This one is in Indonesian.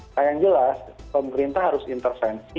nah yang jelas pemerintah harus intervensi